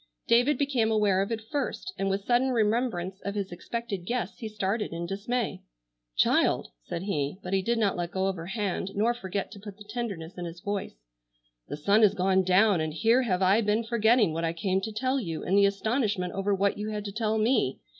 David became aware of it first, and with sudden remembrance of his expected guests he started in dismay. "Child!" said he,—but he did not let go of her hand, nor forget to put the tenderness in his voice, "the sun has gone down, and here have I been forgetting what I came to tell you in the astonishment over what you had to tell me.